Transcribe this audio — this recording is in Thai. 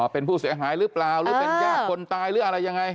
เป็นผู้เสียหายหรือเปล่าหรือเป็นญาติคนตายหรืออะไรยังไง